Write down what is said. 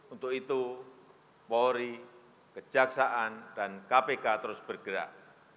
untuk itu polri kejaksaan dan kpk terus bergerak